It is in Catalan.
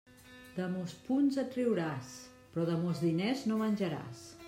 De mos punts et riuràs, però de mos diners no menjaràs.